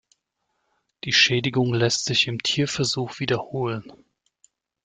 Die Schädigung lässt sich im Tierversuch wiederholen.